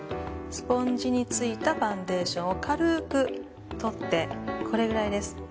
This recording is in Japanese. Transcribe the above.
スポンジについたファンデーションを軽く取ってこれくらいです。